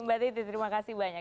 mbak titi terima kasih banyak